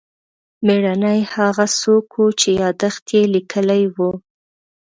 مېړنی هغه څوک و چې یادښت یې لیکلی و.